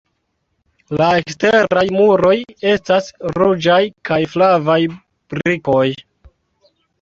La eksteraj muroj estas ruĝaj kaj flavaj brikoj.